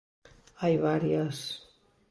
Hai varias...